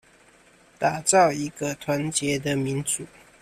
打造一個團結的民主